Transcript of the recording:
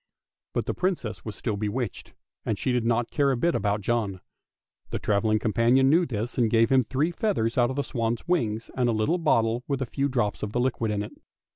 But the Princess was still bewitched, and she did not care a bit about John; the travelling companion knew this, and gave him three feathers out of the swan's wings and a little bottle with a few drops of liquid in it.